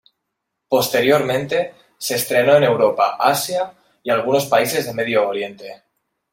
Posteriormente, se estrenó en Europa, Asia y algunos países de Medio Oriente.